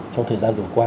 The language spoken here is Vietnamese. trong thời gian vừa qua